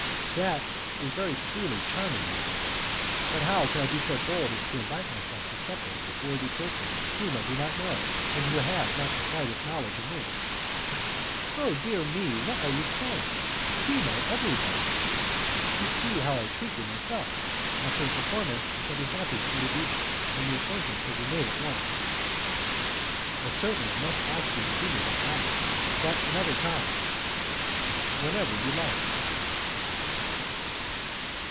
"That is truly charming, madam; but how could I be so bold as to invite myself to supper with worthy persons whom I do not know, and who have not the slightest knowledge of me?" "Oh, dear me! What are you saying? We know everybody. You see how I treat you myself. After the performance, I shall be happy to introduce you, and the acquaintance will be made at once." "I certainly must ask you to do me that honour, but another time." "Whenever you like."